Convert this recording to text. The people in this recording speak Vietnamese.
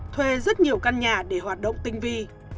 thuê rất nhiều căn nhà để hoạt động tinh vi